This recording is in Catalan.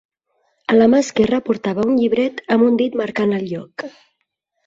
A la mà esquerra portava un llibret amb un dit marcant el lloc.